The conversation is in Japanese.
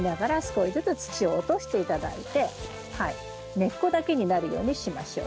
根っこだけになるようにしましょう。